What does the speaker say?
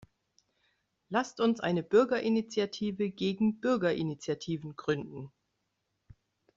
Lasst uns eine Bürgerinitiative gegen Bürgerinitiativen gründen!